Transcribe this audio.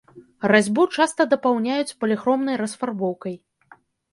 Разьбу часта дапаўняюць паліхромнай расфарбоўкай.